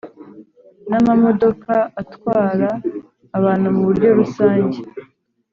Namamodoka atwara abantu muburyo rusange